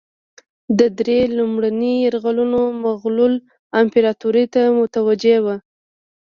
ده درې لومړني یرغلونه مغولو امپراطوري ته متوجه وه.